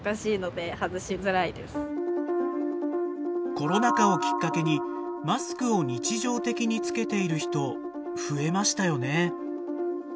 コロナ禍をきっかけにマスクを日常的につけている人増えましたよね。